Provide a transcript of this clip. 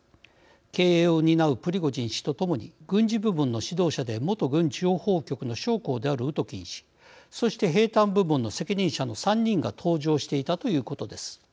経営を担うプリゴジン氏とともに軍事部門の指導者で元軍諜報局の将校であるウトキン氏そして兵たん部門の責任者の３人が搭乗していたということです。